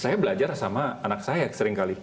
saya belajar sama anak saya seringkali